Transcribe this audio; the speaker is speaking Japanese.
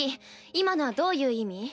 今のはどういう意味？